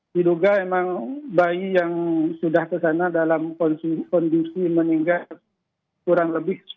diduga memang bayi yang sudah kesana dalam kondisi meninggal kurang lebih